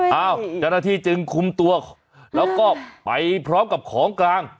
เจ้าหน้าที่จึงคุมตัวแล้วก็ไปพร้อมกับของกลาง